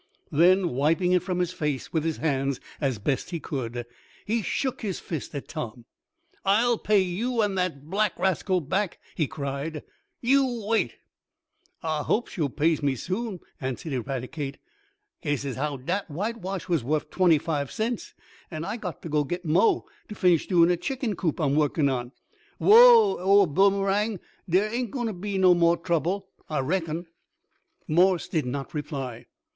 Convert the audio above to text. Then, wiping it from his face, with his hands, as best he could, he shook his fist at Tom. "I'll pay you and that black rascal back!" he cried. "You wait!" "I hopes yo' pays me soon," answered Eradicate, "'case as how dat whitewash was wuff twenty five cents, an' I got t' go git mo' to finish doin' a chicken coop I'm wurkin' on. Whoa, dar Boomerang. Dere ain't goin' t' be no mo' trouble I reckon." Morse did not reply.